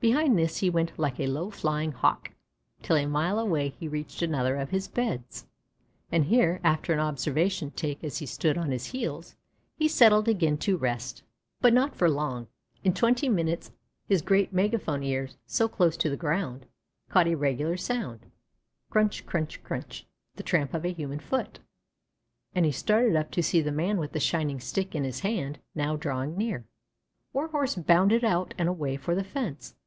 Behind this he went like a low flying Hawk, till a mile away he reached another of his beds; and here, after an observation taken as he stood on his heels, he settled again to rest. But not for long. In twenty minutes his great megaphone ears, so close to the ground, caught a regular sound crunch, crunch, crunch the tramp of a human foot, and he started up to see the man with the shining stick in his hand, now drawing near. Warhorse bounded out and away for the fence.